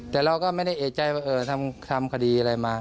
แต่เราก็ไม่ได้เอกใจว่าทำคดีอะไรมา